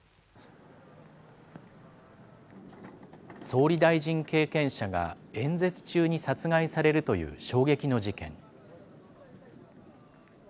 総理大臣経験者が演説中に殺害されるという衝撃の事件。